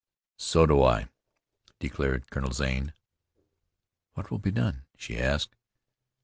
"So do I," declared Colonel Zane. "What will be done?" she asked.